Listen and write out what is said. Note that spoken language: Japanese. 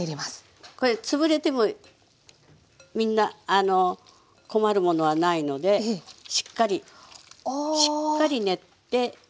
これ潰れてもみんな困るものはないのでしっかりしっかり練って粘りを出します。